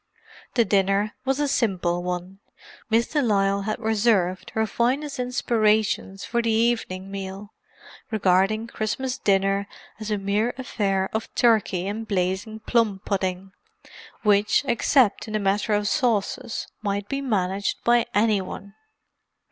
The dinner was a simple one—Miss de Lisle had reserved her finest inspirations for the evening meal, regarding Christmas dinner as a mere affair of turkey and blazing plum pudding, which, except in the matter of sauces, might be managed by any one.